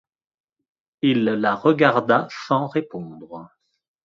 Il la regarda sans répondre.